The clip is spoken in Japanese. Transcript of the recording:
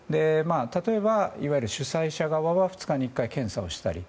例えば、いわゆる主催者側は２日に１回検査をしたり。